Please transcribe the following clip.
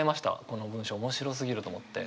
この文章面白すぎると思って。